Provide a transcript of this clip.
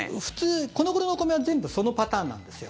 このごろのお米は全部そのパターンなんですよ。